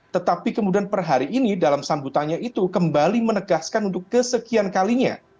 tetapi kemudian per hari ini dalam sambutannya itu kembali menegaskan untuk kesekian kalinya